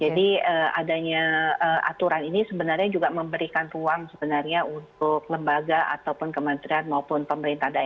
jadi adanya aturan ini sebenarnya juga memberikan ruang sebenarnya untuk lembaga ataupun kementerian maupun pemerintah